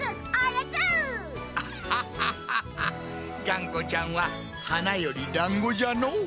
がんこちゃんは「はなよりだんご」じゃのう。